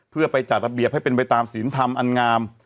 เพื่อไปจัดระเบียบให้เป็นไปตามศีลธรรมอันงาม